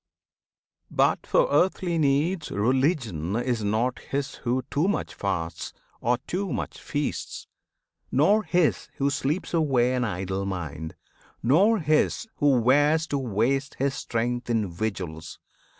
But for earthly needs Religion is not his who too much fasts Or too much feasts, nor his who sleeps away An idle mind; nor his who wears to waste His strength in vigils.